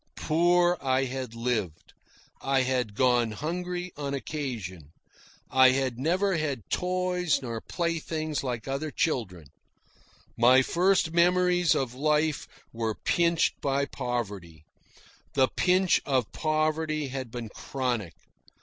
Poor I had lived. I had gone hungry on occasion. I had never had toys nor playthings like other children. My first memories of life were pinched by poverty. The pinch of poverty had been chronic.